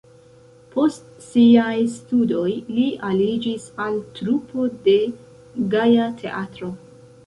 Post siaj studoj li aliĝis al trupo de Gaja Teatro.